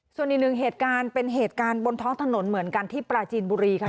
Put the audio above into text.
ส่วนอีกหนึ่งเหตุการณ์เป็นเหตุการณ์บนท้องถนนเหมือนกันที่ปราจีนบุรีค่ะ